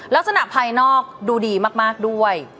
ลักษณะภายนอกดูดีมากด้วย